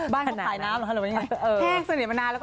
บ้านเขาถ่ายน้ำหรือเป็นยังไงแห้งสนิทมานานแล้วก็เออ